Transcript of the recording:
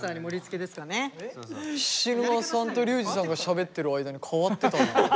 菱沼さんとリュウジさんがしゃべってる間に代わってたな。